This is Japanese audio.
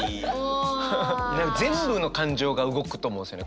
全部の感情が動くと思うんですよね